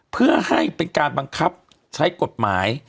เพื่อให้เป็นการบังคับใช้กฎหมาย